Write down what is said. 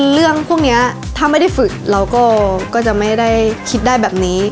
เรื่องพวกนี้ถ้าไม่ได้ฝึกเราก็จะไม่ได้คิดได้แบบนี้